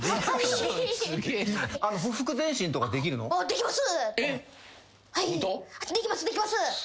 できますできます。